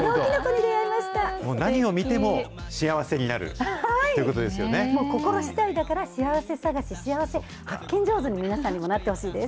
もう何を見ても、幸せになる心しだいだから、幸せ探し、幸せ発見上手に、皆さんもなってほしいです。